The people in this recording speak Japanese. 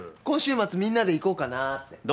今週末みんなで行こうかなぁって。